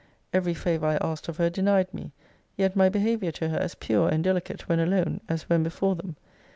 Every favour I asked of her denied me. Yet my behaviour to her as pure and delicate when alone, as when before them.